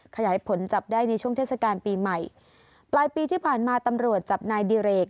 ขยายผลจับได้ในช่วงเทศกาลปีใหม่ปลายปีที่ผ่านมาตำรวจจับนายดิเรก